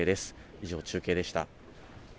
以上、中継でした。